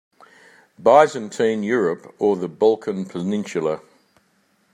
Byzantine Europe, or the Balkan peninsula.